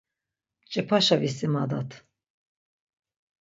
Mç̌ipaşa visimadat.